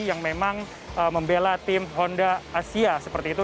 yang memang membela tim honda asia seperti itu